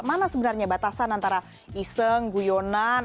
mana sebenarnya batasan antara iseng guyonan